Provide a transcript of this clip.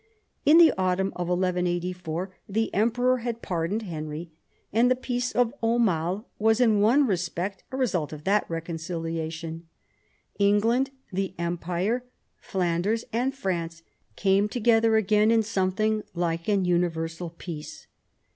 In the autumn of 1184 the emperor had pardoned Henry, and the peace of Aumale was in one aspect a result of that reconciliation. England, the Empire, Flanders, and France came together again in something like an universal peace.